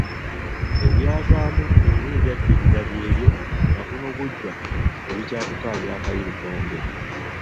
Ebyavaamu era n’ebyaddirira byebyo nagunogujwa ebikyatukaabya akayirigombe.